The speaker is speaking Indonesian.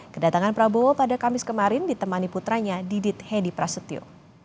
kedatangan prabowo pada kamis kemarin ditemani putranya didit hedi prasetyo